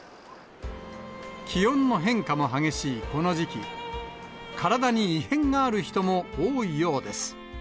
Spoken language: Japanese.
気温の変化も激しいこの時期、体に異変がある人も多いようです。